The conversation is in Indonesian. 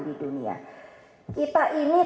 di dunia kita ini